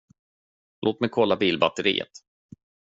Låt mig kolla bilbatteriet.